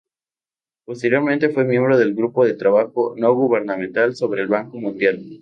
Posteriormente fue miembro del Grupo de Trabajo no gubernamental sobre el Banco Mundial.